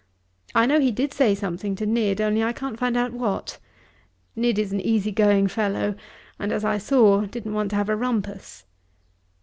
I know he did say something to Nid, only I can't find out what. Nid is an easy going fellow, and, as I saw, didn't want to have a rumpus.